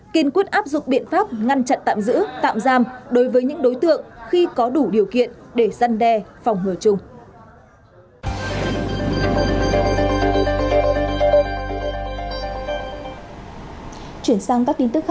kinh quyết áp dụng biện pháp ngăn chặn tạm giữ tạm giam đối với những đối tượng khi có đủ điều kiện để dân đe phòng hứa chung